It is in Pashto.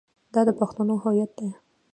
دا د پښتنو هویت دی.